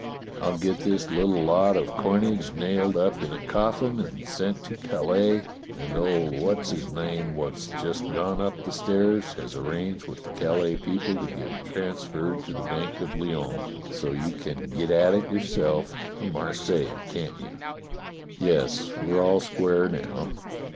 "I'll get this little lot of coinage nailed up in a coflfin and sent to Calais, and old What's his name wot's just gone up the stairs has ar ranged with the Calais people to get it transferred to the Bank of Lyons, so you can get at it yourself from Mar seilles, can't you?" "Yes, we're all square now.